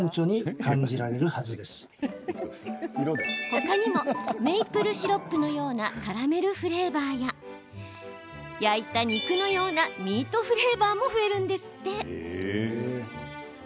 他にもメープルシロップのようなカラメルフレーバーや焼いた肉のようなミートフレーバーも増えるんですって。